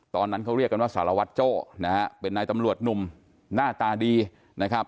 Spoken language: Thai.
ตอนนั้นเขาเรียกกันว่าสารวัตรโจ้นะฮะเป็นนายตำรวจหนุ่มหน้าตาดีนะครับ